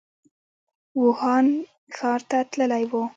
ووهان ښار ته تللی و.